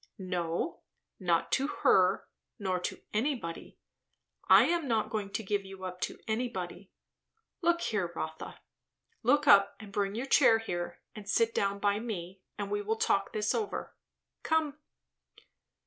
_" "No. Not to her nor to anybody. I am not going to give you up to anybody. Look here, Rotha. Look up, and bring your chair here and sit down by me, and we will talk this over. Come!"